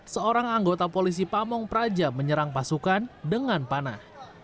seorang anggota polisi pamong praja menyerang pasukan dengan panah